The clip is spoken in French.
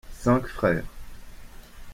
Cinq frères.